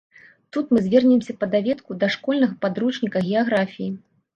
Тут мы звернемся па даведку да школьнага падручніка геаграфіі.